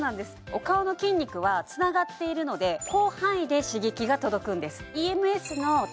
お顔の筋肉はつながっているので広範囲で刺激が届くんです